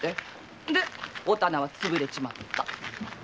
でお店は潰れちまった。